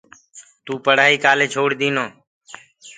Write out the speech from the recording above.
تو پڙهآئي ڪآلي ڇوڙ دينو۔